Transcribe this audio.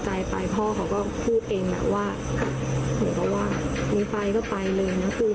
ก็เกิดปัญหาเพราะว่าเขาแฟนหนู